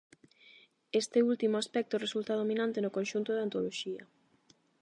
Este último aspecto resulta dominante no conxunto da antoloxía.